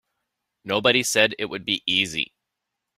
Nobody said it would be easy.